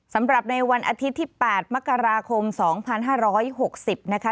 สำหรับในวันอาทิตย์ที่๘มกราคม๒๕๖๐นะคะ